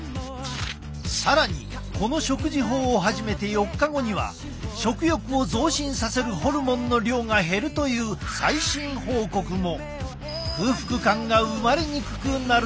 更にこの食事法を始めて４日後には食欲を増進させるホルモンの量が減るという最新報告も。